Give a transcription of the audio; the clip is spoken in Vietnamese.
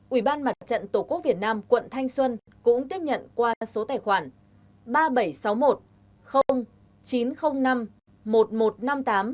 ủy ban mặt trận tổ quốc việt nam tp hà nội cũng tiếp nhận qua số tài khoản